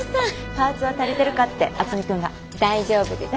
パーツは足りてるかって渥美君が。大丈夫です。